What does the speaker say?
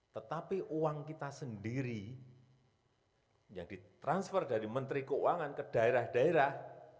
tetapi uang kita sendiri yang ditransfer dari menteri keuangan ke daerah daerah